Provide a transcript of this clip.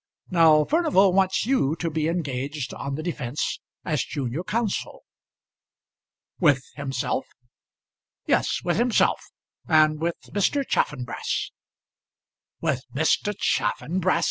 Now Furnival wants you to be engaged on the defence as junior counsel." "With himself?" "Yes; with himself, and with Mr. Chaffanbrass." "With Mr. Chaffanbrass!"